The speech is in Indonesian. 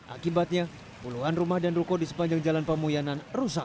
akibatnya puluhan rumah dan ruko di sepanjang jalan pemoyanan